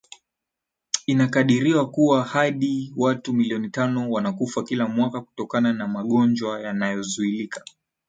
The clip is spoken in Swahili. Inakadiriwa kuwa hadi watu milioni tano wanakufa kila mwaka kutokana na magonjwa yanayozuilika